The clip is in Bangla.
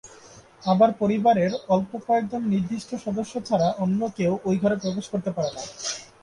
আবার পরিবারের অল্প কয়েকজন নির্দিষ্ট সদস্য ছাড়া অন্য কেউ ওই ঘরে প্রবেশ করতে পারে না।